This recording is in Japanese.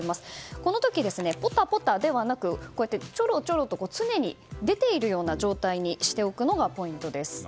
この時、ぽたぽたではなくちょろちょろと常に出ている状態にしておくのがポイントです。